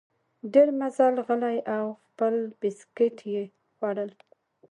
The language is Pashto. ډېر مزل غلی او خپل بسکیټ یې خوړل.